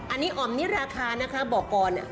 อันนี้อ่อมนิราคานะคะบอกก่อน